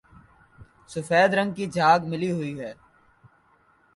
سفید رنگ کی جھاگ ملی ہوئی ہے